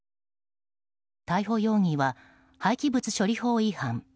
逮捕容疑は廃棄物処理法違反。